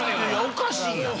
おかしいやん！